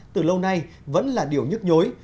từ lâu nay vẫn là điều nhức nhối